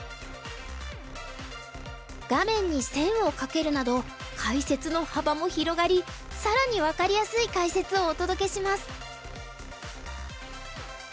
画面に線を書けるなど解説の幅も広がり更に分かりやすい解説をお届けします。